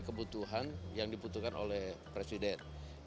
kebutuhan yang dibutuhkan oleh presiden